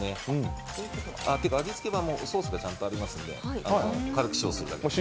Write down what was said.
というか味付けはソースがちゃんとありますので、軽く塩をするだけです。